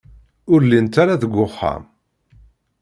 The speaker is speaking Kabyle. Ur llint ara deg uxxam.